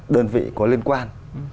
đơn vị có liên quan